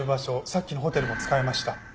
さっきのホテルも使えました。